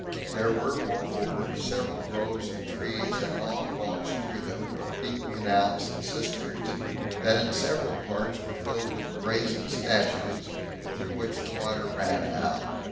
There were, moreover, several groves of trees, and long walks through them, with deep canals, and cisterns, that in several parts were filled with brazen statues, through which the water ran out.